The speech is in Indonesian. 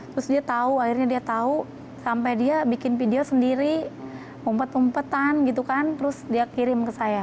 terus dia tahu akhirnya dia tahu sampai dia bikin video sendiri umpet umpetan gitu kan terus dia kirim ke saya